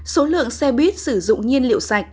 số lượng xe buýt sử dụng nhiên liệu sạch